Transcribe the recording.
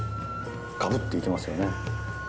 ガブッていけますよね。